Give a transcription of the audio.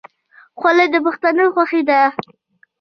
خولۍ د پښتنو خوښي ده.